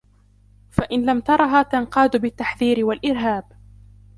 فَإِنْ لَمْ تَرَهَا تَنْقَادُ بِالتَّحْذِيرِ وَالْإِرْهَابِ